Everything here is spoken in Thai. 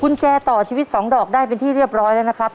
คุณแจต่อชีวิต๒ดอกได้เป็นที่เรียบร้อยแล้วนะครับ